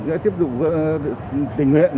sẽ tiếp tục tình nguyện